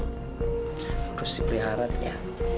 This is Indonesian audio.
terus dipeliharat ya